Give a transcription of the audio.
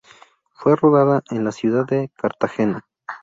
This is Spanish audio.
Fue rodada en la ciudad de Cartagena.